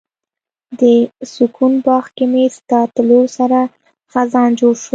د سکون باغ کې مې ستا تلو سره خزان جوړ شو